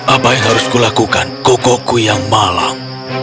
apa yang harus kulakukan kokoku yang malang